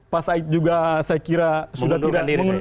pak said juga saya kira sudah tidak